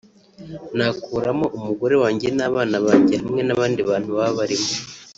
Nakuramo Umugore wanjye n’abana banjye hamwe n’abandi bantu baba barimo